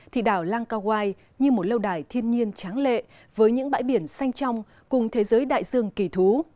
thì đảo langkawaii như một lâu đài thiên nhiên tráng lệ với những bãi biển xanh trong cùng thế giới đại dương kỳ thú